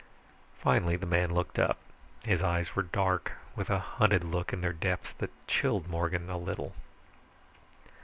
Finally the man looked up. His eyes were dark, with a hunted look in their depths that chilled Morgan a little.